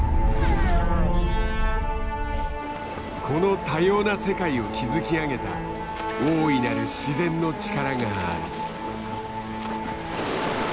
この多様な世界を築き上げた大いなる自然の力がある。